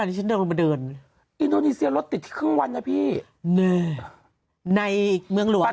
อันนี้แหละนี่ของเกาะ